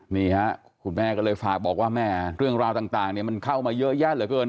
นี่ฮะคุณแม่ก็เลยฝากบอกว่าแม่เรื่องราวต่างมันเข้ามาเยอะแยะเหลือเกิน